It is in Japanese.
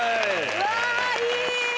うわっいい！